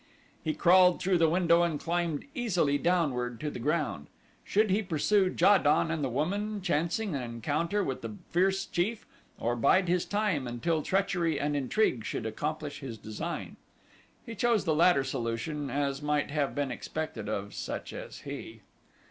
He crawled through the window and climbed easily downward to the ground. Should he pursue Ja don and the woman, chancing an encounter with the fierce chief, or bide his time until treachery and intrigue should accomplish his design? He chose the latter solution, as might have been expected of such as he.